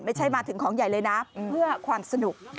ไม่ใช่มาถึงของใหญ่เลยนะเพื่อความสนุก